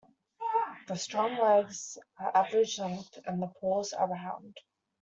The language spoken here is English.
The strong legs are average length and the paws are round.